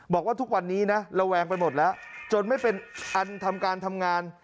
บอกว่าทุกวันนี้นะระแวงไปหมดแล้วจนไม่เป็นอันทำการทำงาน